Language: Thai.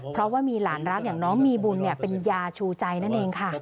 เพราะว่ามีหลานรักอย่างน้องมีบุญเป็นยาชูใจนั่นเองค่ะ